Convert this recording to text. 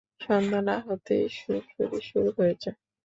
সন্ধা না হতেই সুড়সুড়ি শুরু হয়ে যায়!